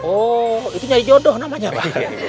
oh itu nyari jodoh namanya pak